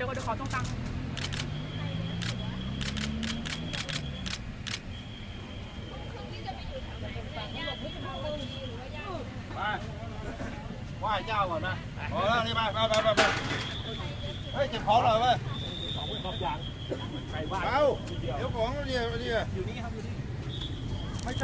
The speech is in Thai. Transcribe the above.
อ้าวเทดลูกสุไฟที่ที่สุไฟด้วยพ่อฉัน